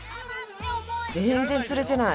全然釣れてない